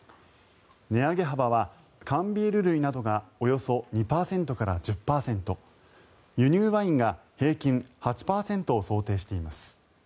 値上げ幅は缶ビール類などがおよそ２％から１０％輸入ワインが平均８％を想定しています。